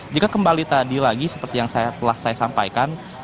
jika kembali tadi lagi seperti yang telah saya sampaikan